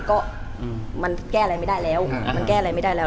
ก็มันแก้อะไรไม่ได้แล้วมันแก้อะไรไม่ได้แล้ว